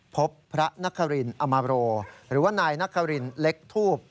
พบพระนครินอมโรหรือว่านายนครินเล็กทูบ